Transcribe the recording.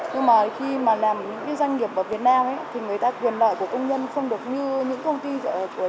nhưng mà khi mà làm những doanh nghiệp ở việt nam thì người ta quyền lợi của công nhân không được như những công ty của chế độ nước ngoài